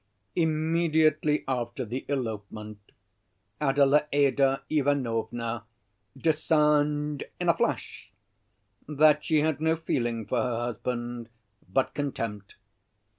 Immediately after the elopement Adelaïda Ivanovna discerned in a flash that she had no feeling for her husband but contempt.